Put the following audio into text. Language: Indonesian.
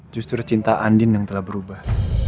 justru cinta andin yang telah berubah